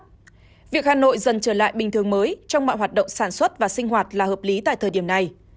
vì vậy việc hà nội dần trở lại bình thường mới trong mọi hoạt động sản xuất và sinh hoạt là hợp lý tại thời điểm này